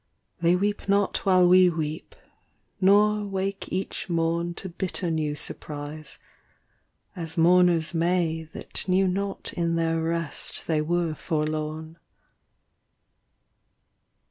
They weep not while we weep, nor wake each mom To bitter new surprise, as mourners may That knew not in their rest they were forlorn.